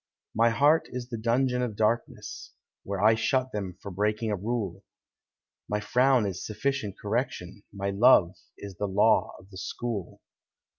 My heart is the dungeon of darkness, Where I shut them for breaking a rule ; My frown is sufficient correction ; My love is the law of the school.